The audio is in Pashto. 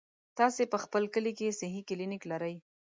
تاسې په خپل کلي کې صحي کلينيک لرئ؟